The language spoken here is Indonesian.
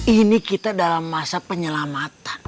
ini kita dalam masa penyelamatan